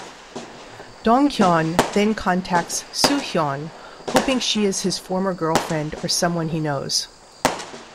Dong-hyeon then contacts Soo-hyeon, hoping she is his former girlfriend or someone he knows.